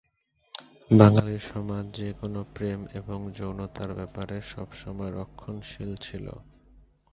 বাঙ্গালি সমাজ যে কোনো প্রেম এবং যৌনতার ব্যাপারে সবসময় রক্ষণশীল ছিলো।